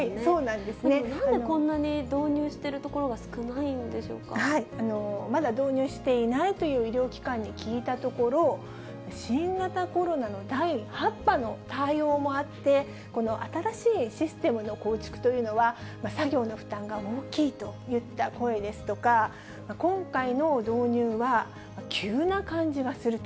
でもなんでこんなに導入してまだ導入していないという医療機関に聞いたところ、新型コロナの第８波の対応もあって、この新しいシステムの構築というのは、作業の負担が大きいといった声ですとか、今回の導入は、急な感じがすると。